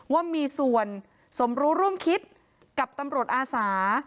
ว่ามีส่วนสมรู้ร่วมคิดกับตำรวจอาสา